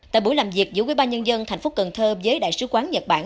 tại buổi làm việc giữa quy ba nhân dân thành phố cần thơ với đại sứ quán nhật bản